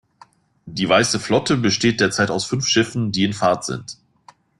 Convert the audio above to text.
Die Weiße Flotte besteht derzeit aus fünf Schiffen, die in Fahrt sind.